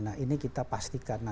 nah ini kita pastikan